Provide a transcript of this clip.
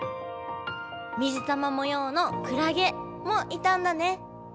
水玉もようのクラゲもいたんだね。